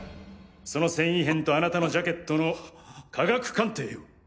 その繊維片とあなたのジャケットの科学鑑定を。